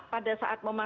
pada saat memandang